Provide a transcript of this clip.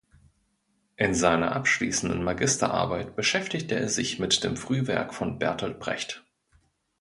In seiner abschließenden Magisterarbeit beschäftigte er sich mit dem Frühwerk von Bertolt Brecht.